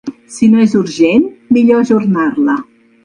Si no és urgent, millor ajornar-la.